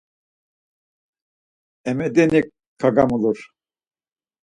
Emedeni kagamalur.